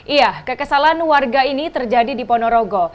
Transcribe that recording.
iya kekesalan warga ini terjadi di ponorogo